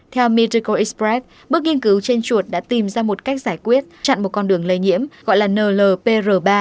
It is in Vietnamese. theo medical express bước nghiên cứu trên chuột đã tìm ra một cách giải quyết chặn một con đường lây nhiễm gọi là nlp r ba